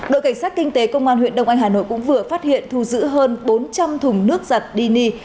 đội cảnh sát kinh tế công an huyện đông anh hà nội cũng vừa phát hiện thu giữ hơn bốn trăm linh thùng nước giặt dni